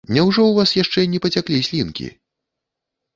Няўжо ў вас яшчэ не пацяклі слінкі?